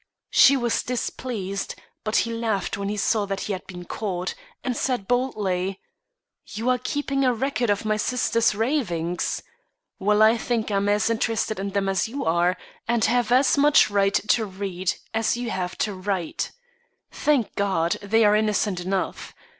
"She was displeased, but he laughed when he saw that he had been caught and said boldly: 'You are keeping a record of my sister's ravings. Well, I think I'm as interested in them as you are, and have as much right to read as you to write. Thank God! they are innocent enough.